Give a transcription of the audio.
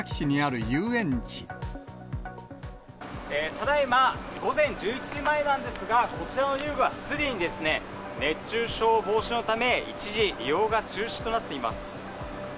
ただいま午前１１時前なんですが、こちらの遊具はすでに熱中症防止のため、一時利用が中止となっています。